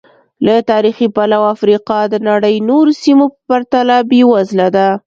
له تاریخي پلوه افریقا د نړۍ نورو سیمو په پرتله بېوزله ده.